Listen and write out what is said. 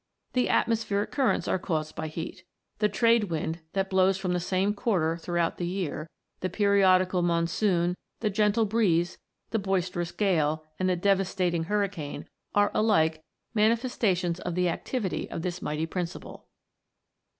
The atmospheric currents are caused by heat ; the trade wind, that blows from the same quarter throughout the year, the periodi cal monsoon, the gentle breeze, the boisterous gale, and the devastating hurricane, are alike manifesta tions of the activity of this mighty principle.